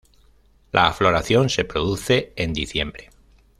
La floración se produce en diciembre.